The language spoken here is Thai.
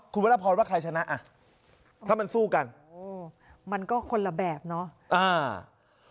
คุณวรพรว่าใครชนะอ่ะถ้ามันสู้กันโอ้มันก็คนละแบบเนาะอ่า